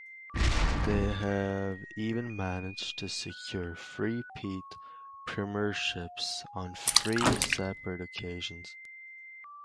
They have even managed to secure "three-peat" premierships on three separate occasions.